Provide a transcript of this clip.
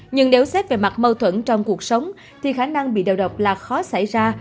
nhưng nếu xét về mặt mâu thuẫn trong cuộc sống thì khả năng bị đầu độc là khó xảy ra